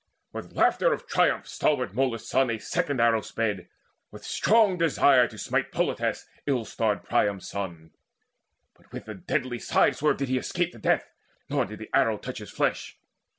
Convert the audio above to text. With laughter of triumph stalwart Molus' son A second arrow sped, with strong desire To smite Polites, ill starred Priam's son: But with a swift side swerve did he escape The death, nor did the arrow touch his flesh.